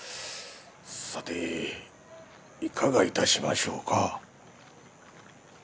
さていかがいたしましょうか。